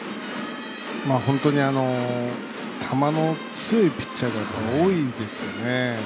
本当に球の強いピッチャーが多いですよね。